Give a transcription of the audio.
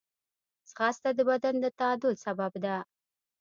ځغاسته د بدن د تعادل سبب ده